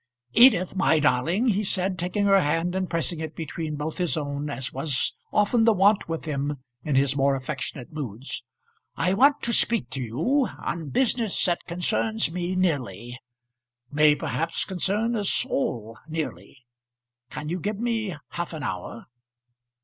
"Edith, my darling," he said, taking her hand and pressing it between both his own as was often the wont with him in his more affectionate moods. "I want to speak to you on business that concerns me nearly; may perhaps concern us all nearly. Can you give me half an hour?"